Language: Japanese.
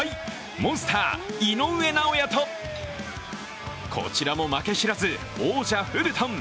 モンスター・井上尚弥とこちらも負け知らず王者・フルトン！